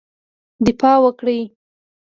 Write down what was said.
دفاع وکړی.